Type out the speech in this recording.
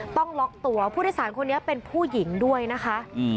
ต้องล็อกตัวผู้โดยสารคนนี้เป็นผู้หญิงด้วยนะคะ